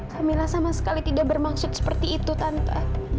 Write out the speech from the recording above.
kamila sama sekali tidak bermaksud seperti itu tante